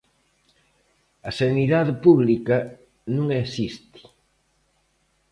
A sanidade pública non existe.